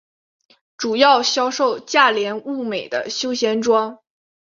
主要销售价廉物美的休闲装。